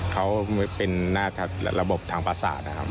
เขาเป็นน่าจะระบบทางประสาทนะครับ